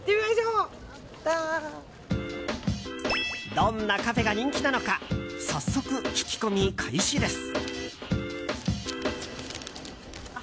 どんなカフェが人気なのか早速、聞き込み開始です。